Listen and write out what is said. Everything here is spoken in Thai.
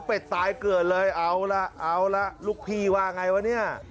เป็ดตายเกิดเลยเอาละเอาละลูกพี่ว่าไงวะเนี่ย